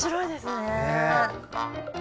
ねえ。